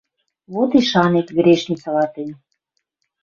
Вот и шанет грешницыла тӹнь.